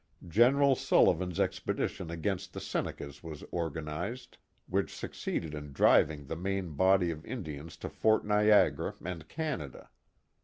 General Sul livan's expedition against the Senecas was organized, which succeeded in driving the main body of Indians to Fort Niag ara and Canada.